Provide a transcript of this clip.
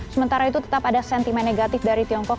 sementara itu tetap ada sentimen negatif dari tiongkok